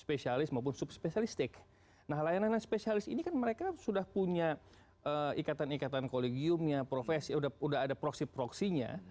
spesialis maupun subspesialistik nah layanan layanan spesialis ini kan mereka sudah punya ikatan ikatan kolegiumnya profesi udah udah ada proksi proksinya